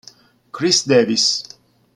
Chris Davis